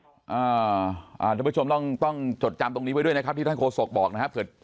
ท่านผู้ชมต้องจดจำตรงนี้ไว้ด้วยนะครับที่ท่านโฆษกบอกนะครับ